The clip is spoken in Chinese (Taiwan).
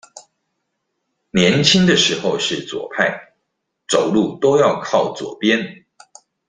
年輕的時候是左派，走路都要靠左邊